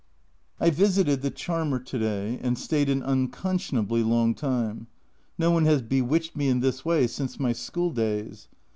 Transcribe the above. I visited the Charmer to day, and stayed an unconscionably long time. No one has bewitched me in this way since my school days.